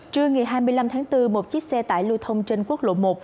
trưa ngày hai mươi năm tháng bốn một chiếc xe tải lưu thông trên quốc lộ một